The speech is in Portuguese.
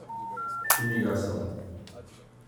Imigração